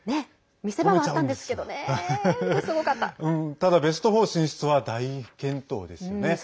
ただベスト４進出は大健闘ですよね。